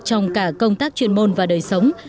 trong cả công tác chuyên môn và đời sống